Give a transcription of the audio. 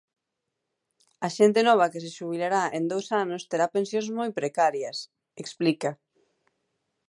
"A xente nova que se xubilará en dous anos terá pensións moi precarias", explica.